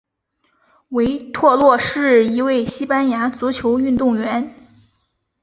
维托洛是一位西班牙足球运动员。